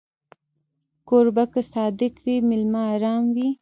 کوربه که صادق وي، مېلمه ارام وي.